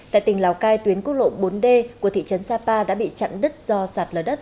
tại tỉnh lào cai tuyến quốc lộ bốn d của thị trấn sapa đã bị chặn đứt do sạt lở đất